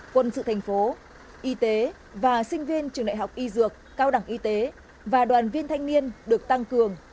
quân sự thành phố y tế và sinh viên trường đại học y dược cao đẳng y tế và đoàn viên thanh niên được tăng cường